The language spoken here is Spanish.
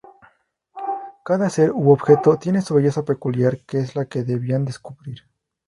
Cada ser u objeto tiene su belleza peculiar, que es la que debían descubrir.